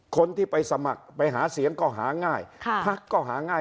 คนที่ไปสมัครไปหาเสียงก็หาง่ายพักก็หาง่าย